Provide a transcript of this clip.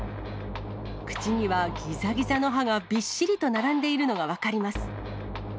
口にはぎざぎざの歯がびっしりと並んでいるのが分かります。